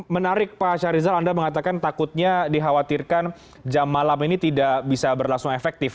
menarik pak syarizal anda mengatakan takutnya dikhawatirkan jam malam ini tidak bisa berlangsung efektif